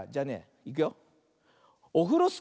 いくよ。